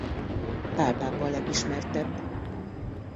Pál pápa a legismertebb.